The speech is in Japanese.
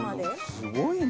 すごいな。